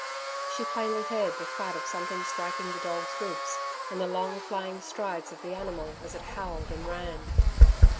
She plainly heard the thud of something striking the dog's ribs, and the long flying strides of the animal as it howled and ran.